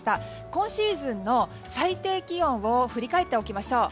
今シーズンの最低気温を振り返っておきましょう。